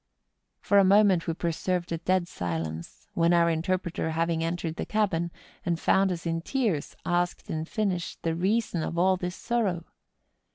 For a moment we preserved a dead silence, when our interpreter having entered the cabin, and found us in tears, asked in Finnish the reason of all this sorrow.